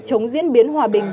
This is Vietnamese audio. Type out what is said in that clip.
chống diễn biến hòa bình